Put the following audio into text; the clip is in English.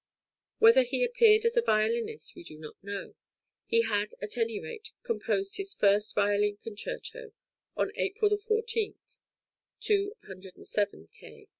Whether he appeared as a violinist we do not know; he had, at any rate, composed his first violin concerto on April 14 (207 K.)